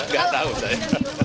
gak tahu saya